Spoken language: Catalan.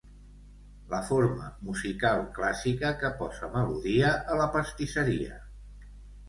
La forma musical clàssica que posa melodia a la pastisseria.